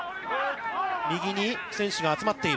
右に選手が集まっている。